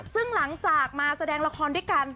ซึ่งหลังจากมาแสดงละครด้วยกัน